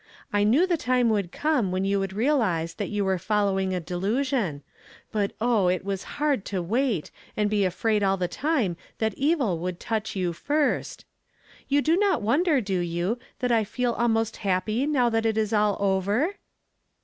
I knew the time would come when you would realize that you were following a delusion ; but oh it was hard to wait, and be afraid all the time that evil would touch you first. You do not wonder, do you, that I feel almost happy now that it is all over